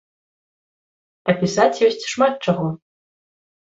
А пісаць ёсць шмат чаго!